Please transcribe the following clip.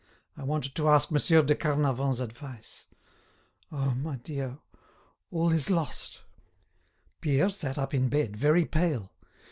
I wanted to ask Monsieur de Carnavant's advice. Ah! my dear, all is lost." Pierre sat up in bed, very pale.